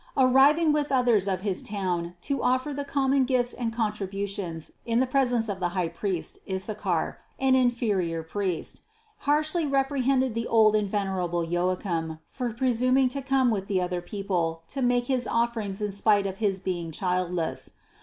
Arriving with others of his town to offer the common gifts and contributions in the presence of the high priest, Isachar, an inferior priest, harshly repre hended the old and venerable Joachim, for presuming to come with the other people to make his offerings in spite of his being childless.